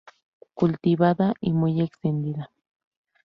Cultivada y muy extendida.